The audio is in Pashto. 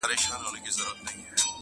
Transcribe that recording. زړونه صبر فیصلو د شنه اسمان ته!!